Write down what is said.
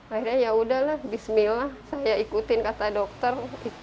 akhirnya yaudahlah bismillah saya ikutin kata dokter